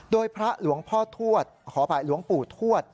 โดยพระหลวงพ่อทวดขออภัยหลวงปู่ทวด